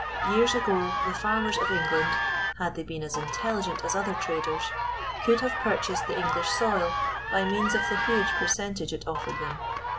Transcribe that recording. Years ago, the farmers of England, had they been as intelligent as other traders, could have purchased the English soil by means of the huge percentage it offered them.